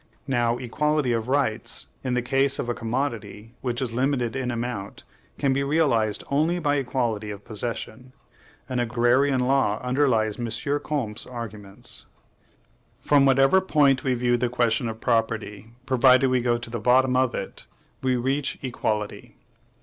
Now, equality of rights, in the case of a commodity which is limited in amount, can be realized only by equality of possession. An agrarian law underlies M. Ch. Comte's arguments. From whatever point we view this question of property provided we go to the bottom of it we reach equality.